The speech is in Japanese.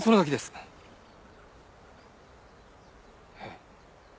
えっ。